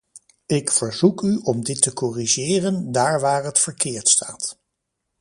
Ik verzoek u om dit te corrigeren daar waar het verkeerd staat.